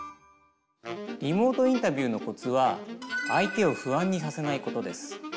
リモートインタビューのコツは相手を不安にさせないことです。